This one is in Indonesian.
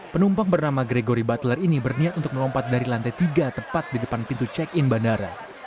penumpang bernama gregory butler ini berniat untuk melompat dari lantai tiga tepat di depan pintu check in bandara